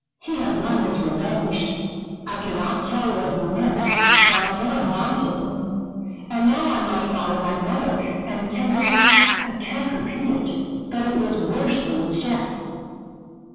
He had won his revenge I cannot tell what he meant, for I never harmed him and now I might follow my mother, and take to I can't repeat it, but it was worse than death.